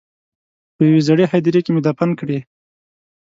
په یوې زړې هدیرې کې مې دفن کړې.